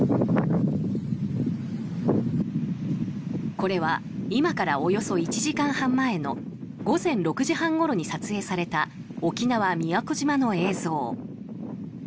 これは今からおよそ１時間半前の午前６時半ごろに撮影された沖縄・宮古島の映像。